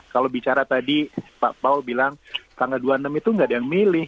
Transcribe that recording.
kalau bicara tadi pak paul bilang tanggal dua puluh enam itu nggak ada yang milih